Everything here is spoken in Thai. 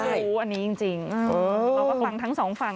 รู้อันนี้จริงเราก็ฟังทั้งสองฝั่ง